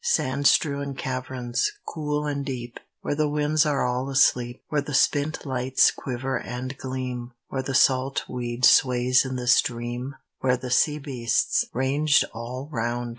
Sand strewn caverns, cool and deep, Where the winds are all asleep; Where the spent lights quiver and gleam, Where the salt weed sways in the stream, Where the sea beasts, ranged all round